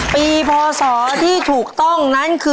พศที่ถูกต้องนั้นคือ